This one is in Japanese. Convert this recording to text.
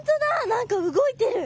何か動いてる！